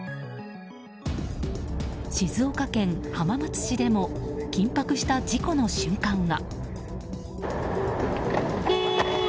静岡県浜松市でも緊迫した事故の瞬間が。